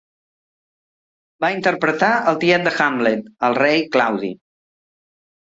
Va interpretar el tiet de Hamlet, el rei Claudi.